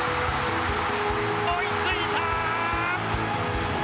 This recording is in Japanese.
追いついた！